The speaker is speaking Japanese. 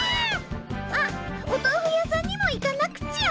あっお豆腐屋さんにも行かなくちゃ。